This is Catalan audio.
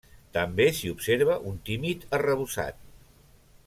També s'hi observa un tímid arrebossat.